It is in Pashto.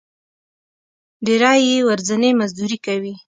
ډېری یې ورځنی مزدوري کوي.